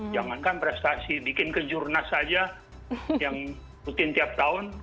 jangankan prestasi bikin kejurnas saja yang rutin tiap tahun